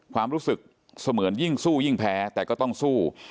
ความรู้สึกเสมือนยิ่งสู้ยิ่งแพ้แต่ก็ต้องสู้